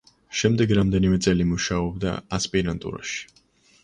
შემდეგ რამდენიმე წელი მუშაობდა ასპირანტურაში.